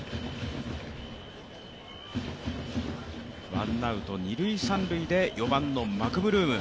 ワンアウト、二塁、三塁で４番のマクブルーム。